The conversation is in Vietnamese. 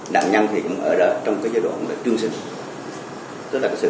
nạn nhân cũng ở trong giai đoạn trương sinh